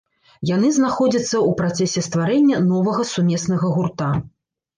Яны знаходзяцца у працэсе стварэння новага сумеснага гурта.